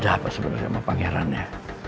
ada apa sebenarnya sama pangerannya